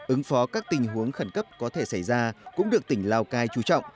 ứng phó các tình huống khẩn cấp có thể xảy ra cũng được tỉnh lào cai chú trọng